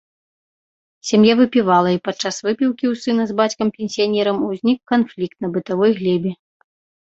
Сям'я выпівала, і падчас выпіўкі ў сына з бацькам-пенсіянерам узнік канфлікт на бытавой глебе.